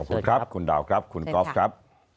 ขอบคุณครับคุณดาวครับคุณก๊อฟครับ